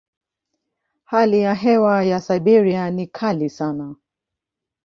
Hali ya hewa ya Siberia ni kali sana.